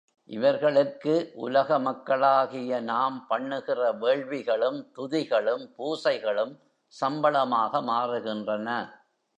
இவர்களுக்கு உலக மக்களாகிய நாம் பண்ணுகிற வேள்விகளும், துதிகளும், பூசைகளும் சம்பளமாக மாறுகின்றன.